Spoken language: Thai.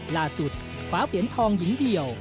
ล่าสุดคว้าเหรียญทองหญิงเดี่ยว